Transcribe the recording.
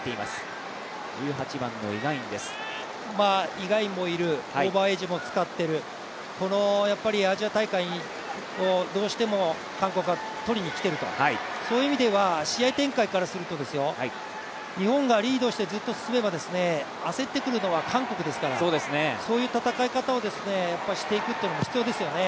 イ・ガンインもいる、オーバーエイジも使ってる、アジア大会をどうしても韓国は取りに来ている、そういう意味では試合展開からすると日本がリードしてずっと進めば、焦ってくるのは韓国ですから、そういう戦い方をしていくことも必要ですよね。